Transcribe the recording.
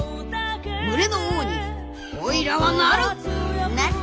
「群れの王にオイラはなるっ！」